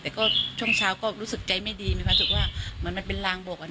แต่ก็ช่วงเช้าก็รู้สึกใจไม่ดีมีความรู้สึกว่าเหมือนมันเป็นรางบวกกัน